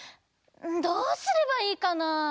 どうすればいいかな。